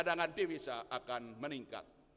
cadangan devisa akan meningkat